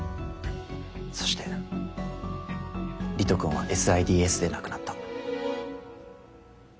そして理人くんはＳＩＤＳで亡くなった。